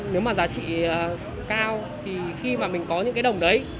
nếu mà giá trị cao thì khi mà mình có những cái đồng đấy